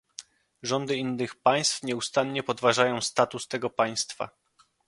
Rządy innych państw nieustannie podważają status tego państwa